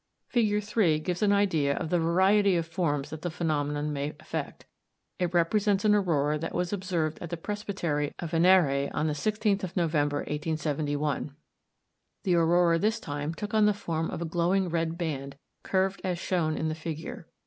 Fig. 3 gives an idea of the variety of forms that the phenomenon may affect. It represents an aurora that was observed at the presbytery of Enare on the 16th of November, 1871. The aurora this time took on the form of a glowing red band, curved as shown in the figure.